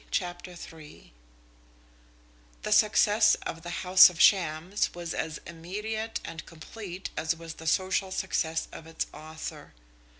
CHAPTER III The success of "The House of Shams" was as immediate and complete as was the social success of its author.